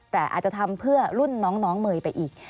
แต่อาจจะทำเพื่อรุ่นน้องเมย์ไปอีก